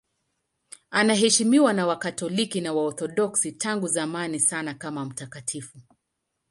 Anaheshimiwa na Wakatoliki na Waorthodoksi tangu zamani sana kama mtakatifu.